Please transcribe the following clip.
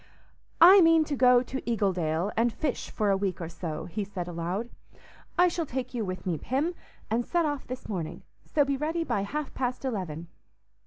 "I mean to go to Eagledale and fish for a week or so," he said aloud. "I shall take you with me, Pym, and set off this morning; so be ready by half past eleven."